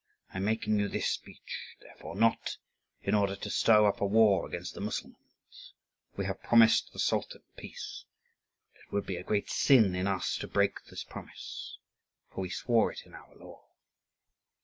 I am making you this speech, therefore, not in order to stir up a war against the Mussulmans; we have promised the Sultan peace, and it would be a great sin in us to break this promise, for we swore it on our law."